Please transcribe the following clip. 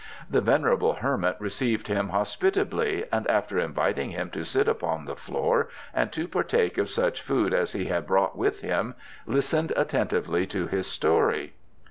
The venerable hermit received him hospitably, and after inviting him to sit upon the floor and to partake of such food as he had brought with him, listened attentively to his story.